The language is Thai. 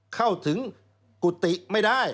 เข้าถึงกุฏิไม่ได้